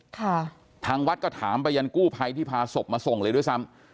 ทางวัดก็ถามไปยังกู้ภัยที่พาศพมาส่งเลยด้วยซ้ำ